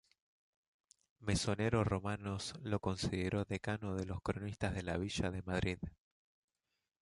Mesonero Romanos lo consideró decano de los cronistas de la villa de Madrid.